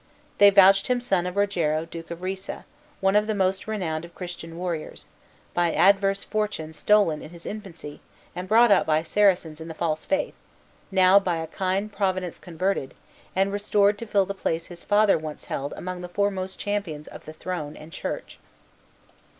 They vouch him son of Rogero, Duke of Risa, one of the most renowned of Christian warriors, by adverse fortune stolen in his infancy, and brought up by Saracens in the false faith, now by a kind Providence converted, and restored to fill the place his father once held among the foremost champions of the throne and Church.